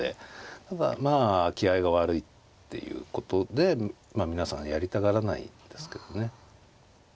ただまあ気合いが悪いっていうことで皆さんやりたがらないですけどね。